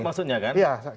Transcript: lebih negatif maksudnya kan